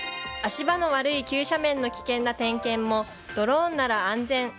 足場の悪い急斜面の危険な点検もドローンなら安全。